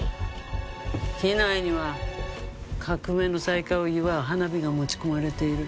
機内には革命の再開を祝う花火が持ち込まれている。